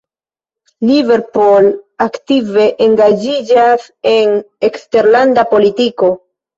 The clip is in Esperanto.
Liverpool aktive engaĝiĝas en eksterlanda politiko.